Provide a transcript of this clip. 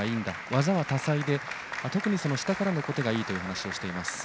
技は多彩で下からの小手がいいという話をしています。